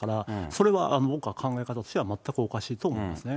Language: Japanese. それは僕は考え方としては、全くおかしいと思いますね。